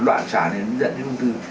đoạn sản nên nó dẫn đến ung thư